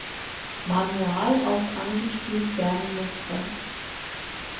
Manual aus angespielt werden musste.